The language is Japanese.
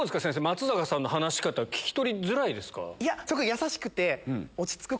松坂さんの話し方聞き取りづらいですか？